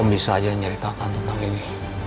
bisa aja nyeritakan tentang ini